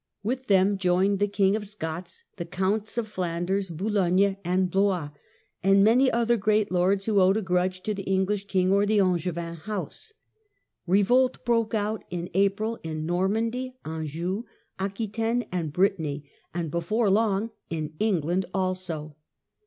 With them joined the King of Scots, the Counts of Flanders, Boulogne, and Blois, and many other great lords who owed a grudge to the English king or the Angevin house. Revolt broke out in April in Normandy, Anjou, Aquitaine, and Brittany — and before long in England also.